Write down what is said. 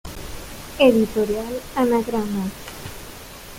Editorial Anagrama.